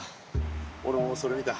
俺もそれ見た。